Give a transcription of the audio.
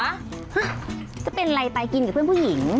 ฮะจะเป็นอะไรไปกินกับเพื่อนผู้หญิง